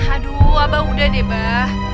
aduh abah udah deh mbah